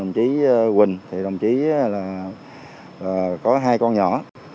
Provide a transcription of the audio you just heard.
đồng chí quỳnh thì đồng chí là có hai con nhỏ